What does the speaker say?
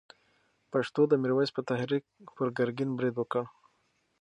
پښتنو د میرویس په تحریک پر ګرګین برید وکړ.